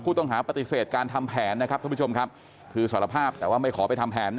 ต้องปฏิเสธการทำแผนนะครับท่านผู้ชมครับคือสารภาพแต่ว่าไม่ขอไปทำแผน